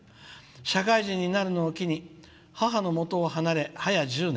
社会人になるのを機に母のもとを離れ早１０年。